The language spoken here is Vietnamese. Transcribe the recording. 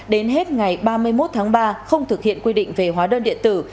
đến hết ngày ba mươi một tháng ba không thực hiện quy định về hóa đơn điện tử